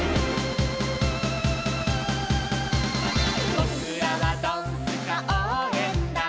「ぼくらはドンスカおうえんだん」